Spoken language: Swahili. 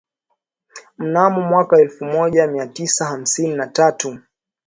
mnamo mwaka elfu moja mia tisa hamsini na tatu